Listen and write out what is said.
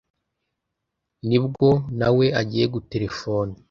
ni bwo na we agiye guterefona,